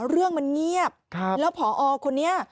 เรื่องมันเงียบแล้วผอคนนี้